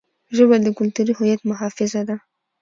ژبه د کلتوري هویت محافظه ده.